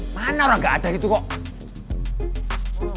mana orang gak ada itu kok